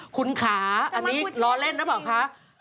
คุณขาอันนี้ล้อเล่นนะบอกคะ